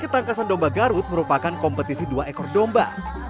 ketangkasan domba garut merupakan kompetisi dua ekor domba